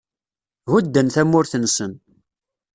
Ḥudden tamurt-nnsen